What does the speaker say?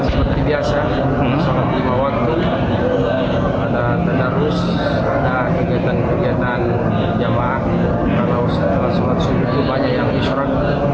seperti biasa selama lima waktu ada tenarus ada kegiatan kegiatan jamaah dan selalu banyak yang disuruh